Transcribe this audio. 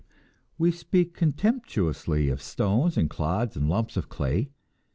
We speak contemptuously of stones and clods and lumps of clay.